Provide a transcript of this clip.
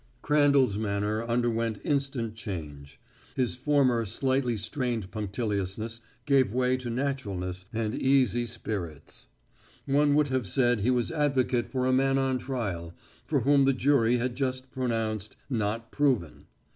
Crandall's manner underwent instant change. His former slightly strained punctiliousness gave way to naturalness and easy spirits. One would have said he was advocate for a man on trial, for whom the jury had just pronounced, "Not proven."